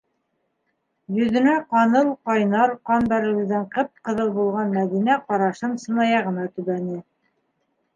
- Йөҙөнә ҡаныл ҡайнар ҡан бәрелеүҙән ҡып- ҡыҙыл булған Мәҙинә ҡарашын сынаяғына төбәне.